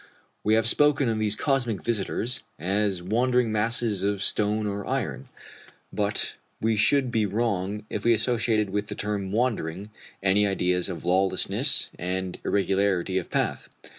We have spoken of these cosmic visitors as wandering masses of stone or iron; but we should be wrong if we associated with the term "wandering" any ideas of lawlessness and irregularity of path.